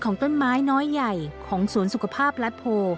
ต้นไม้น้อยใหญ่ของสวนสุขภาพรัฐโพ